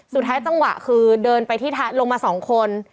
สุดท้ายจังหวะคือเดินไปที่ท้ายลงมา๒คน